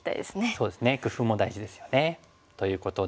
そうですね工夫も大事ですよね。ということで。